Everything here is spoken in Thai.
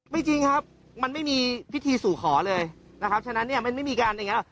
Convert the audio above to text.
จริงครับมันไม่มีพิธีสู่ขอเลยนะครับฉะนั้นเนี่ยมันไม่มีการอย่างเงี้